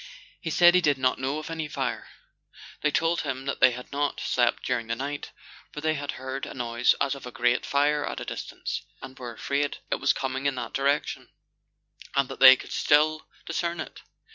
He said he did not know of any fire. They told him that they had not slept during the night, for they had heard a noise as of a great fire at a distance, and were afraid it was coming in that direction, and that they could still discern it.